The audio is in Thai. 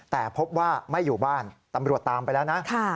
แต่พบว่าไม่อยู่บ้านตำรวจตามไปแล้วนะ